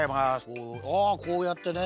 あこうやってね。